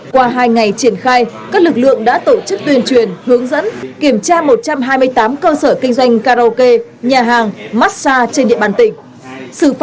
qua hai ngày triển khai các lực lượng đã tổ chức tuyên truyền hướng dẫn kiểm tra một trăm hai mươi tám cơ sở kinh doanh karaoke nhà hàng massage trên địa bàn tỉnh